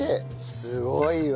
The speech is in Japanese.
すごいわ！